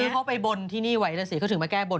คนซื้อเขาไปบนที่นี่ไว้สิเขาถึงมาแก้บน